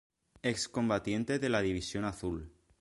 Ex-combatiente de la División Azul.